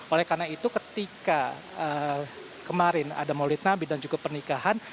oleh karena itu ketika kemarin ada maulid nabi dan juga pernikahan